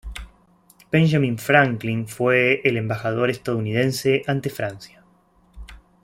Benjamín Franklin fue el embajador estadounidense ante Francia.